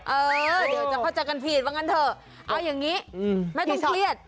เออเดี๋ยวจะพันธุ์เจอกันผิดเหรอเอาอย่างงี้ไม่ต้องเครียด